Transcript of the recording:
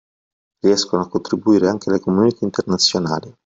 Riescono a contribuire anche alle community internazionali.